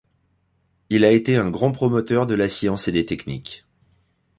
Il a été un grand promoteur de la science et des techniques.